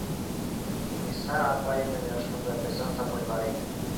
Ниса апайы менән шунда бесән сабырҙар ине.